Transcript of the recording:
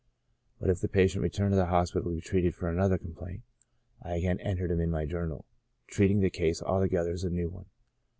But if the patient returned to the hospital to be treated for another complaint, I again entered him in my journal, treating the case altogether as a new one.